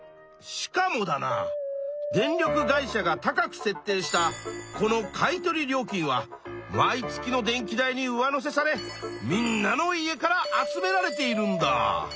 しかもだな電力会社が高く設定したこの買い取り料金は毎月の電気代に上乗せされみんなの家から集められているんだ。